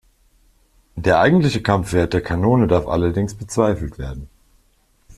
Der eigentliche Kampfwert der Kanone darf allerdings bezweifelt werden.